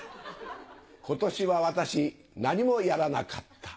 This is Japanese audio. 今年は私何もやらなかった。